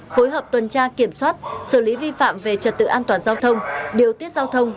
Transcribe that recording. phối hợp tuần tra kiểm soát xử lý vi phạm về trật tự an toàn giao thông điều tiết giao thông